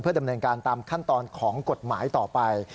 ดำเนินการตามขั้นตอนของกฎหมายต่อไป